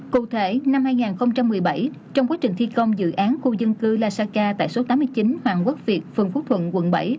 cụ thể năm hai nghìn một mươi bảy trong quá trình thi công dự án khu dân cư la saka tại số tám mươi chín hoàng quốc việt phường phước thuận quận bảy